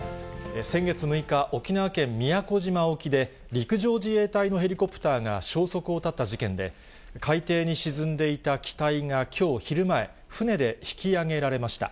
先月６日、沖縄県宮古島沖で、陸上自衛隊のヘリコプターが消息を絶った事件で、海底に沈んでいた機体がきょう昼前、船で引き揚げられました。